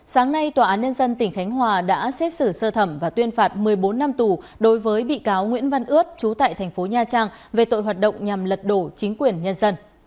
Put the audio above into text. sáng nay tòa án nhân dân tỉnh khánh hòa đã xét xử sơ thẩm và tuyên phạt một mươi bốn năm tù đối với bị cáo nguyễn văn ướt chú tại thành phố nha trang về tội hoạt động nhằm lật đổ chính quyền nhân dân